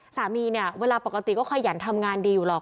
สามีเนี่ยเวลาปกติก็ขยันทำงานดีอยู่หรอก